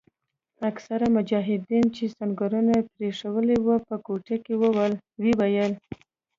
اکثره مجاهدین چې سنګرونه یې پریښي وو په کوټه کې وویل.